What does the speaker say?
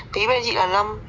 thế bên chị là lâm